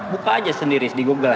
buka aja sendiri di google